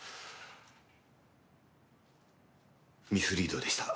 ミスリードでした。